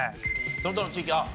その他の地域あっ